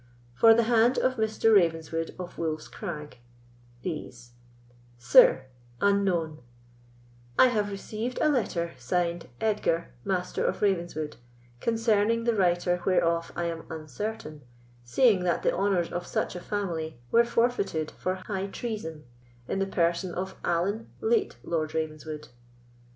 "For the hand of Mr. Ravenswood of Wolf's Crag—These: "SIR, UNKNOWN,—I have received a letter, signed 'Edgar, Master of Ravenswood,' concerning the writer whereof I am uncertain, seeing that the honours of such a family were forfeited for high treason in the person of Allan, late Lord Ravenswood.